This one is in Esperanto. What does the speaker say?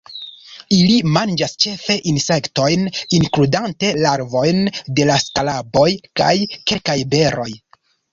Ili manĝas ĉefe insektojn, inkludante larvojn de skaraboj, kaj kelkaj beroj.